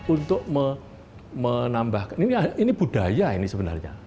untuk menambahkan ini budaya ini sebenarnya